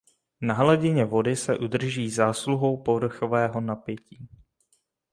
Na hladině vody se udrží zásluhou povrchového napětí.